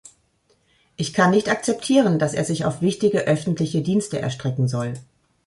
Ich kann nicht akzeptieren, dass er sich auf wichtige öffentliche Dienste erstrecken soll.